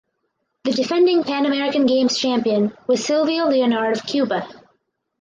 The defending Pan American Games champion was Silvio Leonard of Cuba.